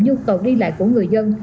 như cầu đi lại của người dân